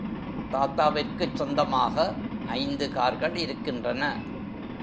தாத்தாவிற்குச் சொந்தமாக ஐந்து கார்கள் இருக்கின்றன.